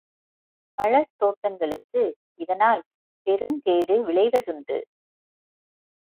பழத் தோட்டங்களுக்கு இதனால் பெருங்கேடு விளைவதுண்டு.